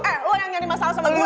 eh lo yang nyari masalah sama gue ya